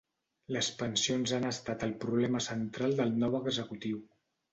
Les pensions han estat el problema central del nou executiu.